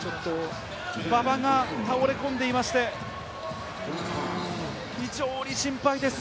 馬場が倒れ込んでいまして、非常に心配です。